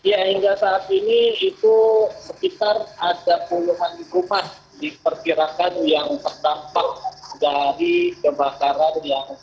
ya hingga saat ini itu sekitar ada puluhan rumah diperkirakan yang terdampak dari kebakaran yang